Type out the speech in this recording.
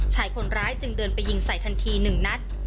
ชายคนร้ายจึงเดินไปยิงใส่ทันที๑นัด